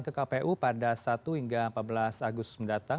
ke kpu pada satu hingga empat belas agustus mendatang